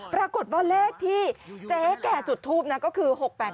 ปรากฏว่าเลขที่เจ๊แก่จุดทูปนะก็คือ๖๘๘